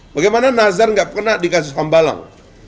bagaimana nazar nggak kena di kasus hambalang